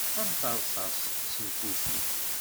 Am terṣaṣt seg lfuci.